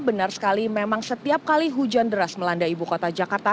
benar sekali memang setiap kali hujan deras melanda ibu kota jakarta